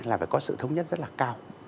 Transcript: là phải có sự thống nhất rất là cao